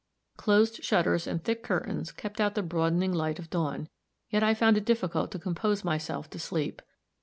Closed shutters and thick curtains kept out the broadening light of dawn; yet I found it difficult to compose myself to sleep.